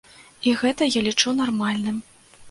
І гэта я лічу нармальным.